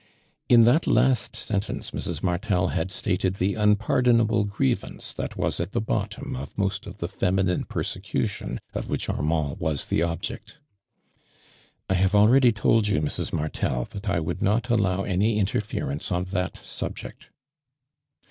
In that last sentence Mrs. Martel h^d stated the unpaitlonable grievance that was at the bottom of most of the feminine persecution of which Armand was the ob ject. " I kftv© already told you, Mrs. Martel, that I would not allow any interference o« that subject."